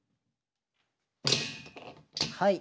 はい。